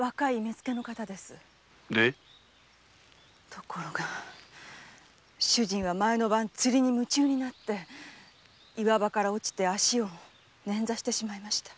ところが主人は前の晩に釣りに夢中になって岩場から落ちてねんざしてしまいました。